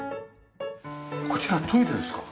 こちらはトイレですか？